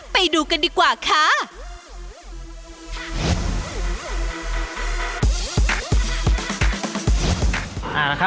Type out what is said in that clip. ไปดูกันดีกว่าค่ะ